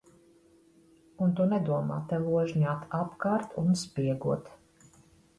Un tu nedomā te ložņāt apkārt un spiegot.